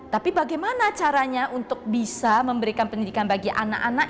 tapi bagaimana caranya untuk bisa memberikan pendidikan bagi anak anak